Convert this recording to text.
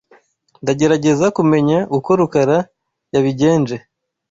Ndagerageza kumenya uko Rukara yabigenje.